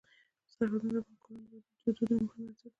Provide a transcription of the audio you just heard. سرحدونه د افغان کورنیو د دودونو مهم عنصر دی.